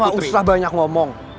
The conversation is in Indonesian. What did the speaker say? gak usah banyak ngomong